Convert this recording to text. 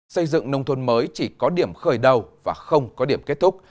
xây dựng nông thôn mới chỉ có điểm khởi đầu và không có điểm kết thúc